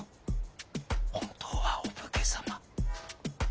本当はお武家様？